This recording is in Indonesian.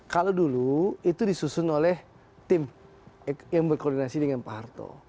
kalau dulu itu disusun oleh tim yang berkoordinasi dengan pak harto